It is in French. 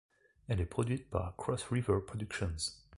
Elle est produite par Cross River Productions.